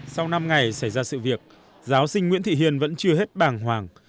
sau năm ngày xảy ra sự việc giáo sinh nguyễn thị hiền vẫn chưa hết bàng hoàng